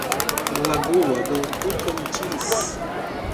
Lagoa do Tocantins